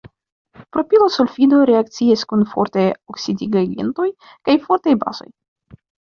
Propila sulfido reakcias kun fortaj oksidigagentoj kaj fortaj bazoj.